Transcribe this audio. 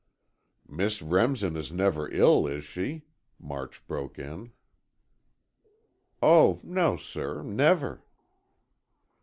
"Miss Remsen is never ill, is she?" March broke in. "Oh, no, sir, never."